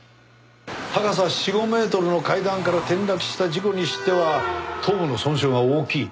高さ４５メートルの階段から転落した事故にしては頭部の損傷が大きい。